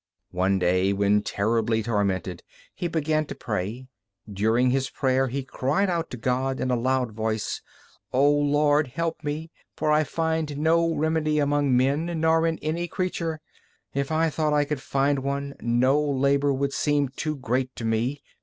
One day, when terribly tormented, he began to pray. During his prayer, he cried out to God in a loud voice: "O Lord, help me, for I find no remedy among men, nor in any creature! If I thought I could find one, no labor would seem too great to me.